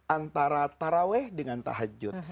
antara terawih dengan tahajud